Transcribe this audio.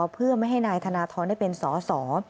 เพื่อไม่ให้นายธนทรได้เป็นสอสอ